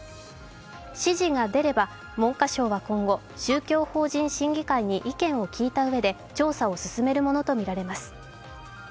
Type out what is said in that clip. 指示が出れば、文科省は今後宗教法人審議会に意見を聞いたうえで調査を進めるものとみられます。